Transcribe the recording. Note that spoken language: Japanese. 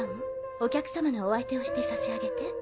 お客様のお相手をしてさしあげて。